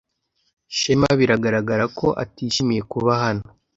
Shema biragaragara ko atishimiye kuba hano.